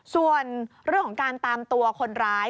ส่วนเรื่องของการตามตัวคนร้าย